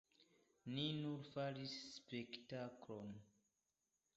Ni nur faris spektaklon".